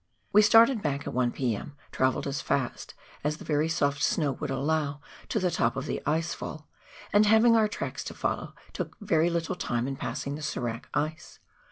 We started back at 1 p.m. — travelled as fast as the very soft snow would allow to the top of the ice fall, and having our tracks to follow, took little time in passing the serac ice.